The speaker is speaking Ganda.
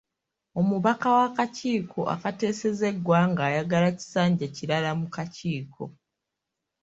Omubaka w'akakiiko akateeseza eggwanga ayagala kisanja kirala mu kakiiko.